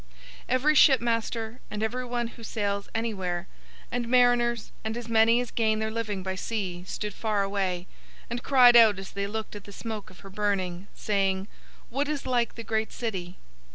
Every shipmaster, and everyone who sails anywhere, and mariners, and as many as gain their living by sea, stood far away, 018:018 and cried out as they looked at the smoke of her burning, saying, 'What is like the great city?'